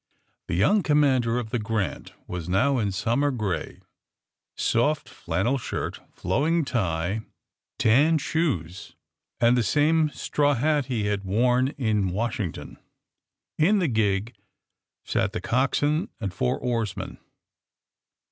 The young commander of the *^ Grant" was now in summer gray, soft flannel shirt, flowing tie, tan shoes and the same straw hat he had worn in Washington. In the gig sat the coxswain and four oarsmen.